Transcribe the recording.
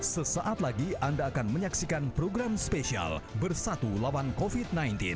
sesaat lagi anda akan menyaksikan program spesial bersatu lawan covid sembilan belas